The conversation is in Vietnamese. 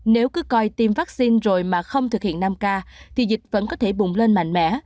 nếu cứ coi tiêm vaccine rồi mà không thực hiện năm k thì dịch vẫn có thể bùng lên mạnh mẽ